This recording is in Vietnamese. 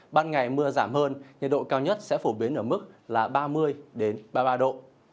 ban ngày mưa giảm hơn nhiệt độ cao nhất sẽ phổ biến ở mức là ba mươi ba mươi ba độ